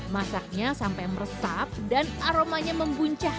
masaknya sampai meresap dan aromanya membuncah